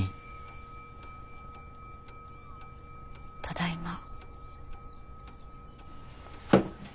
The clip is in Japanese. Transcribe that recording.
ただいま。